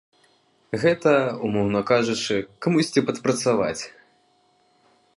Гэта, умоўна кажучы, камусьці падпрацаваць.